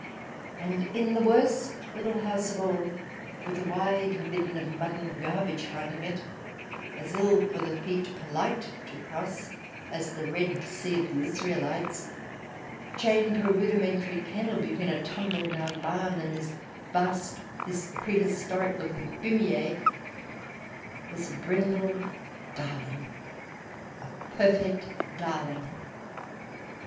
And in the worst little house of all, with a wide midden of mud and garbage fronting it, as ill for feet polite to cross as the Red Sea of the Israelites, chained to a rudimentary kennel between a tumble down barn and this vast, this prehistoric looking fumier, was a brindled darling — a perfect darling